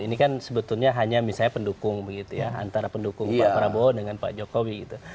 ini kan sebetulnya hanya misalnya pendukung begitu ya antara pendukung pak prabowo dengan pak jokowi gitu